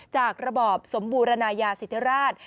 ระบอบสมบูรณายาสิทธิราช